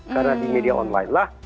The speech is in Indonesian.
karena di media online lah